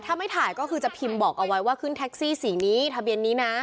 ถ้าไม่ถ่ายก็คือจะพิมพ์บอกเอาไว้ว่าขึ้นแท็กซี่สีนี้ทะเบียนนี้นะ